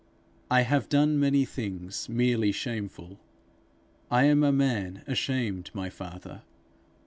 I have done many things merely shameful; I am a man ashamed, my father!